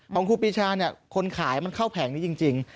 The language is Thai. ของครูปีชาคนขายเข้าแผงนี้จริง